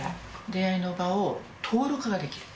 出会いの場を登録ができる。